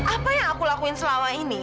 apa yang aku lakuin selama ini